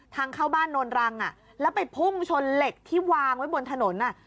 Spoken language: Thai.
ทางเข้าบ้านโนนรังอ่ะแล้วไปพุ่งชนเหล็กที่วางไว้บนถนนอ่ะ